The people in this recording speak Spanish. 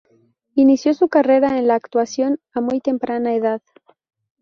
Inició su carrera en la actuación a muy temprana edad.